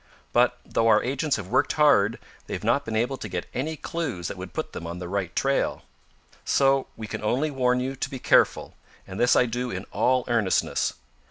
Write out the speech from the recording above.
But, though our agents have worked hard, they have not been able to get any clues that would put them on the right trail. "So we can only warn you to be careful, and this I do in all earnestness.